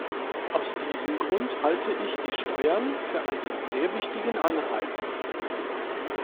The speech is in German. Aus diesem Grund halte ich die Steuern für einen sehr wichtigen Anreiz.